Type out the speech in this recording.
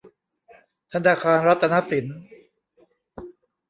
ธนาคารรัตนสิน